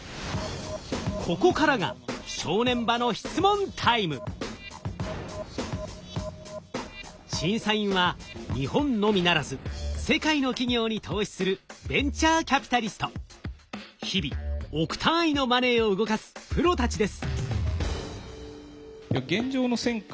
ここからが正念場の審査員は日本のみならず世界の企業に投資する日々億単位のマネーを動かすプロたちです。